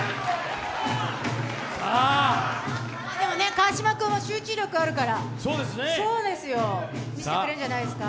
川島君は集中力あるから見せてくれるんじゃないですか。